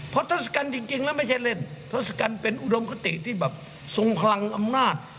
เพราะทศกัณฐ์จริงแล้วไม่ใช่เล่นทศกัณฐ์เป็นอุดมคติที่แบบทรงพลังอำนาจ